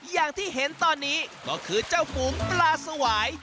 อย่างที่เห็นตอนนี้ก็คือเจ้าฝูงปลาสวาย